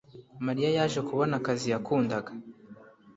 mariya yaje kubona akazi yakundaga